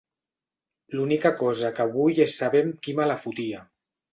L'única cosa que vull és saber amb qui me la fotia.